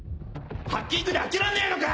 ハッキングで開けらんねえのか！